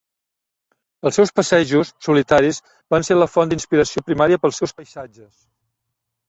Els seus passejos solitaris van ser la font d'inspiració primària pels seus paisatges.